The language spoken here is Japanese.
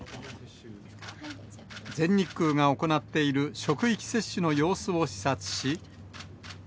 全日空が行っている職域接種の様子を視察し。